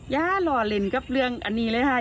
อย่าหล่อเล่นกับเรื่องอันนี้เลยค่ะ